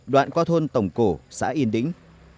đoạn qua thôn tổng cổ xã yên đĩnh